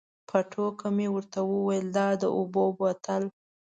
په ټوکه مې ورته وویل دا د اوبو بوتل.